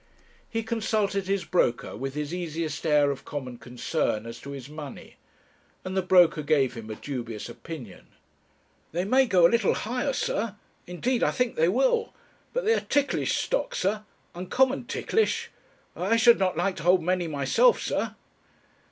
He consulted his broker with his easiest air of common concern as to his money; and the broker gave him a dubious opinion. 'They may go a little higher, sir; indeed I think they will. But they are ticklish stock, sir uncommon ticklish. I should not like to hold many myself, sir.'